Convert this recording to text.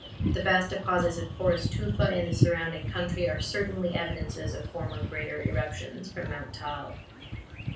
The vast deposits of porous tufa in the surrounding country are certainly evidences of former great eruptions from Mount Taal.